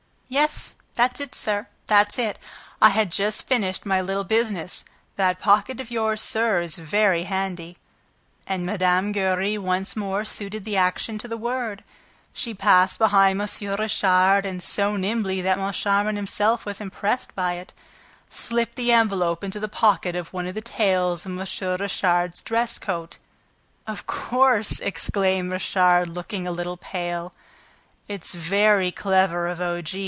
"Yes, that's it, sir, that's it. I had just finished my little business. That pocket of yours, sir, is very handy!" And Mme. Giry once more suited the action to the word, She passed behind M. Richard and, so nimbly that Moncharmin himself was impressed by it, slipped the envelope into the pocket of one of the tails of M. Richard's dress coat. "Of course!" exclaimed Richard, looking a little pale. "It's very clever of O.